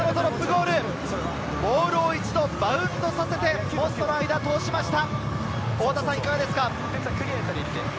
ボールを一度バウンドさせてポストの間を通しました。